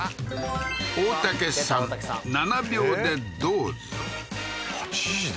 大竹さん７秒でどうぞ８時で？